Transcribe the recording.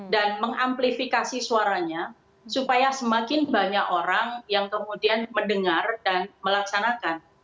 dan mengamplifikasi suaranya supaya semakin banyak orang yang kemudian mendengar dan melaksanakan